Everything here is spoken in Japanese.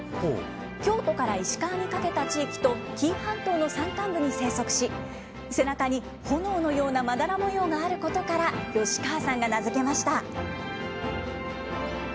京都から石川にかけた地域と、紀伊半島の山間部に生息し、背中に炎のようなまだら模様があることから、吉川さんが名付けました。